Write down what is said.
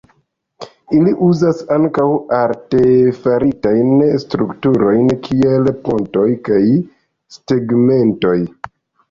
Ili uzas ankaŭ artefaritajn strukturojn kiel pontoj kaj tegmentoj.